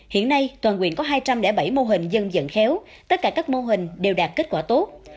hiện nay toàn quyện có hai trăm linh bảy mô hình dân khéo tất cả các mô hình đều đạt kết quả tốt